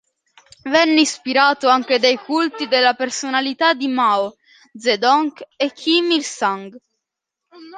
Venne ispirato anche dai culti della personalità di Mao Zedong e Kim Il-sung.